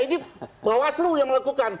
ini bawaslu yang melakukan